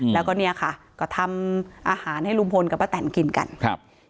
แล้วก็เนี่ยค่ะก็ทำอาหารให้ลุงพลกับป้าแตนกินกันครับ